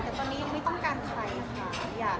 น้องท่องี่ต้องใช้จิ่งพลิกกันไปเลยแล้ว